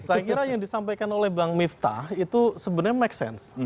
saya kira yang disampaikan oleh bang miftah itu sebenarnya make sense